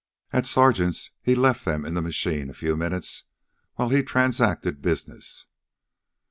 At Sargent's he left them in the machine a few minutes while he transacted business.